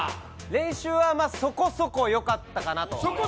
練習は、そこそこよかったかなと。